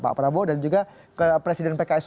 pak prabowo dan juga presiden pks